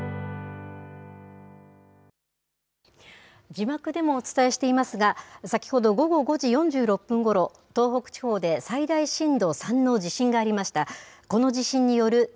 字幕でもお伝えしていますが、先ほど午後５時４６分ごろ、東北地方で最大震度３の地震がありました。